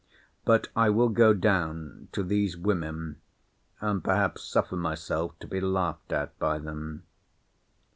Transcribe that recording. But I will go down to these women—and perhaps suffer myself to be laughed at by them.